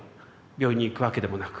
病院に行くわけでもなく。